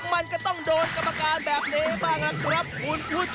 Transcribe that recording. มันก็ต้องโดนกรรมการแบบนี้บ้างนะครับคุณผู้ชม